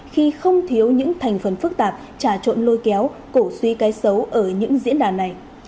khi không thiếu những thành phần phức tạp trà trộn lôi kéo cổ suy cái xấu ở những diễn đàn này